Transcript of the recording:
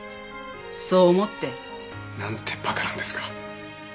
そう思って。なんて馬鹿なんですか。